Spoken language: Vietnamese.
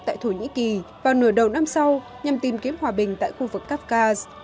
tại thổ nhĩ kỳ vào nửa đầu năm sau nhằm tìm kiếm hòa bình tại khu vực kafkaz